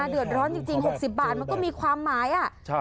เดือดร้อนจริง๖๐บาทมันก็มีความหมาย